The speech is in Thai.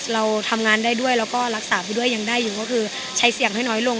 เราทำงานได้ด้วยแล้วก็รักษาไปด้วยยังได้อยู่ก็คือใช้เสี่ยงให้น้อยลง